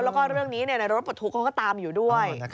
แล้วก็เรื่องนี้ในรถปลดทุกข์เขาก็ตามอยู่ด้วย